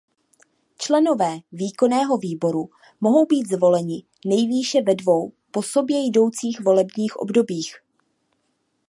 Členové Výkonného výboru mohou být zvoleni nejvýše ve dvou po sobě jdoucích volebních obdobích.